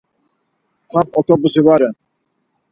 Ham otoposi va ren.